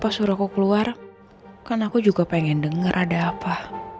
pas suruh aku keluar kan aku juga pengen denger ada apa